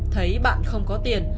thấy bạn không có tiền